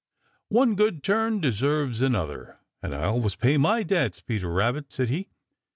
"One good turn deserves another, and I always pay my debts, Peter Rabbit," said he.